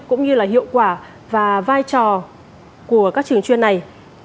cũng như là hiệu quả và vai trò của các trường chuyên này